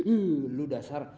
ih lu dasar